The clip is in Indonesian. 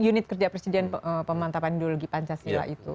unit kerja presiden pemantapan ideologi pancasila itu